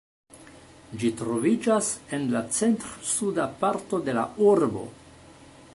Ĝi troviĝas en la centr-suda parto de la urbo.